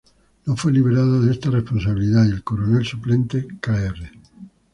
No fue liberada de esta responsabilidad, y el coronel suplente Kr.